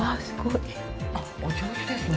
あっお上手ですね。